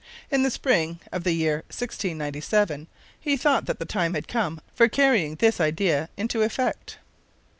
In the spring of the year 1697, he thought that the time had come for carrying this idea into effect.